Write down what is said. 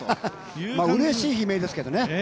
うれしい悲鳴ですけどね。